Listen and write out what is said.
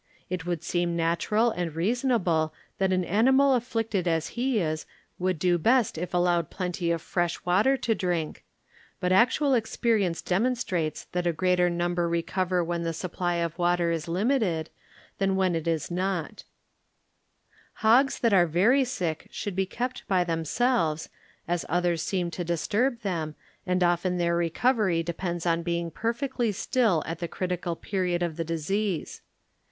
It would seem natural and reasonable that an animal afflicted as he is would do best if allowed plenty of fresh water to drink, but actual experience demonstrates that a greater number recover when the sup ply of water is limited than when it is not Hc^s that are very sick should be kept by themselves, as others seem to disturb them, and often their recovery depends on being perfectly still at the critical pe riod of the disease.